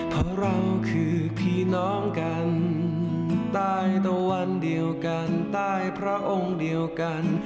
เพราะเราคือพี่น้องกันใต้ตะวันเดียวกันใต้พระองค์เดียวกัน